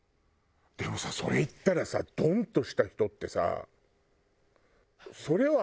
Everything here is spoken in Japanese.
でもさそれ言ったらさドンとした人ってさ。